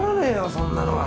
そんなのは。